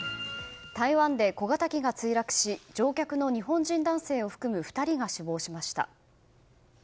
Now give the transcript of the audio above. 台湾で小型機が墜落し乗客の日本人男性を含む２人が死亡しました。